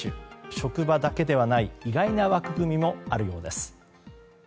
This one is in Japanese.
職場だけではない意外な枠組みもあるようです。